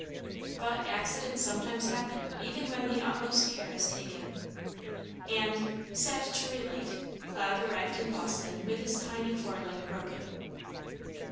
But accidents sometimes happen even when the utmost care is taken, and, sad to relate, Cloud arrived in Boston with his tiny foreleg broken.